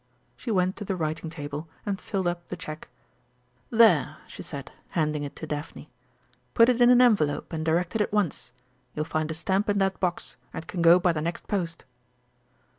She went to the writing table and filled up the cheque. "There," she said, handing it to Daphne, "put it in an envelope and direct it at once you'll find a stamp in that box, and it can go by the next post."